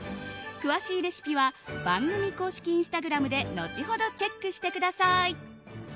詳しいレシピは番組公式インスタグラムで後ほどチェックしてください。